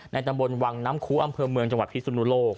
ตำบลวังน้ำคูอำเภอเมืองจังหวัดพิสุนุโลก